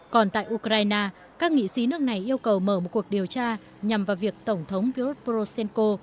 còn tại ukraine các nghị sĩ nước này yêu cầu mở một cuộc điều tra nhằm vào việc tổng thống virus voroshenko